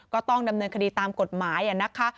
ก็ต้องดำเนินคดีตามกฎหมายนะคะ